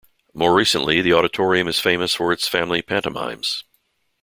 More recently the Auditorium is famous for its Family Pantomimes.